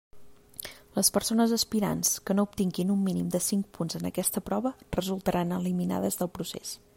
Les persones aspirants que no obtinguin un mínim de cinc punts en aquesta prova resultaran eliminades del procés.